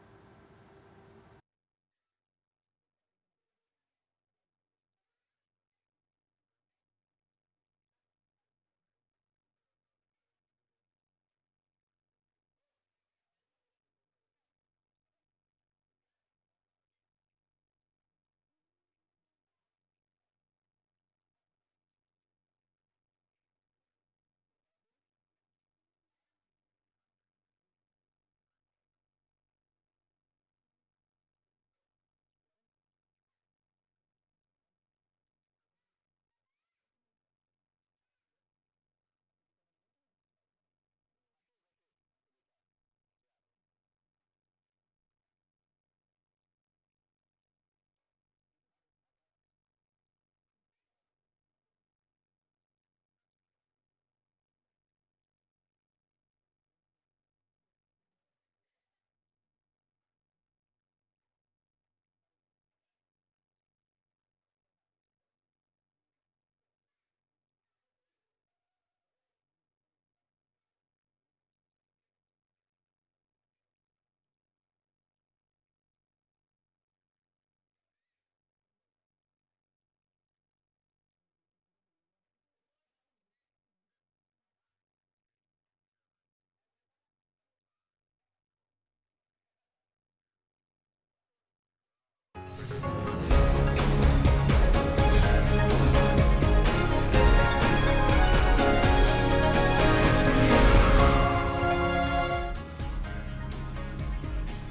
terima kasih pak